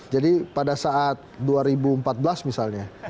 jadi pada saat dua ribu empat belas misalnya